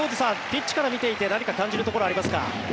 ピッチから見ていて何か感じるところはありますか。